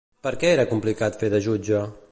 Per què era complicat fer de jutge?